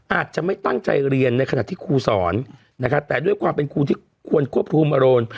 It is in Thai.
อาจจะไม่ตั้งใจเรียนในขณะที่ครูสอนนะครับแต่ด้วยความเป็นครูที่ควรควบคุมอารมณ์